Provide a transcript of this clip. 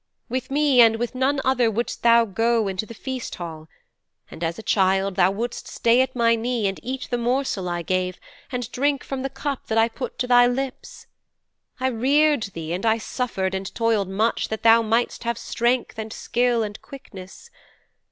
With me and with none other wouldst thou go into the feasthall, and, as a child, thou would'st stay at my knee and eat the morsel I gave, and drink from the cup that I put to thy lips. I reared thee, and I suffered and toiled much that thou mightst have strength and skill and quickness.